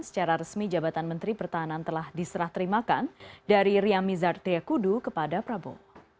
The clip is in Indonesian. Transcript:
secara resmi jabatan menteri pertahanan telah diserah terimakan dari ria mizar tiakudu kepada prabowo